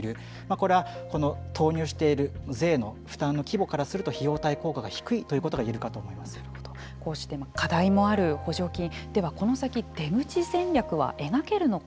これは投入している税の負担の規模からすると費用対効果が低いことがこうして課題もある補助金では、この先、出口戦略は描けるのか。